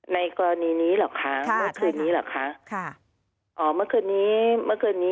ในกรณีนี้หรอกคะค่ะเมื่อคืนนี้หรอกคะค่ะอ๋อเมื่อคืนนี้